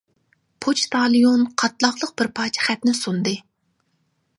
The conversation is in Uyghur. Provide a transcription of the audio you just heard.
پوچتاليون قاتلاقلىق بىر پارچە خەتنى سۇندى.